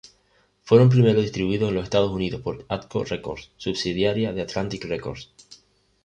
Fueron primero distribuidos en los Estados Unidos por Atco Records, subsidiaria de Atlantic Records.